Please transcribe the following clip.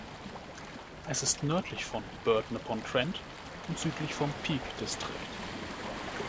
Es ist nördlich von Burton-upon-Trent und südlich vom Peak Distrikt.